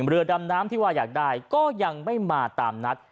เรือดำน้ำที่ว่าอยากได้ก็ยังไม่มาตามนัด